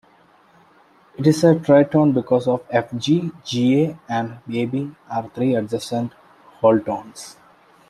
It is a tritone because F-G, G-A, and A-B are three adjacent whole tones.